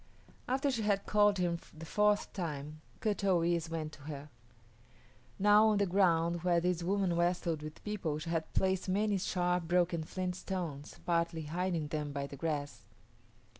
After she had called him the fourth time, Kut o yis´ went to her. Now on the ground where this woman wrestled with people she had placed many sharp, broken flint stones, partly hiding them by the grass.